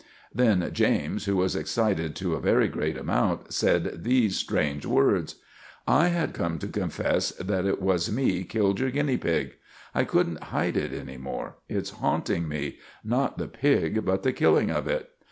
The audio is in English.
Then James, who was excited to a very great amount, said these strange words— "I had come to confess that it was me killed your guinea pig! I couldn't hide it any more. It's haunting me—not the pig, but the killing of it.